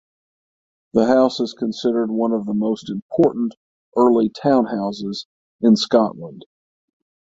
The house is considered one of the most important early townhouses in Scotland.